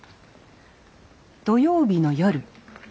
土曜日の夜